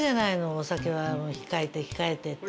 お酒は控えて控えてって。